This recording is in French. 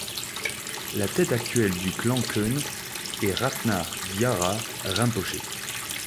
Le tête actuelle du clan Khön est Ratna Vajra Rinpoché.